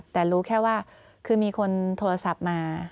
แต่รู้แค่ว่าคือมีคนโทรศัพท์มา